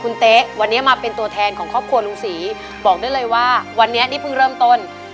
ในวันนี้บอกได้เลยว่าวันนี้พึ่งเริ่มต้น